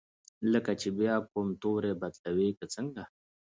لکه چې بیا کوم توری بدلوي که څنګه؟